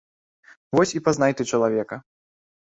Вось і пазнай ты чалавека.